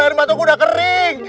air mataku udah kering